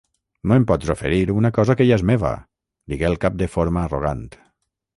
"No em pots oferir una cosa que ja és meva", digué el cap de forma arrogant.